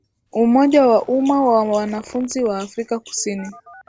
Umoja wa Umma wa Wanafunzi wa Afrika Kusini